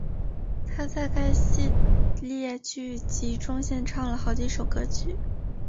她在该系列剧集中献唱了好几首歌曲。